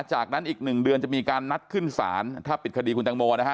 จากนั้นอีกหนึ่งเดือนจะมีการนัดขึ้นศาลถ้าปิดคดีคุณตังโมนะฮะ